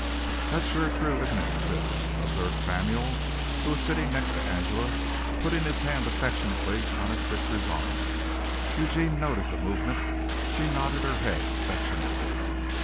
"That's sure true, isn't it, Sis," observed Samuel, who was sitting next to Angela, putting his hand affectionately on his sister's arm. Eugene noted the movement. She nodded her head affectionately.